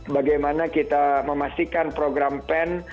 bagaimana kita memastikan program pen